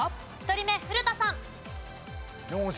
１人目古田さん。